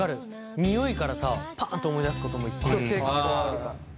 匂いからさパッと思い出すこともいっぱいあるよね。